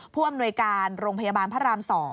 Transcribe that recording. ผู้อำนวยการโรงพยาบาลพระราม๒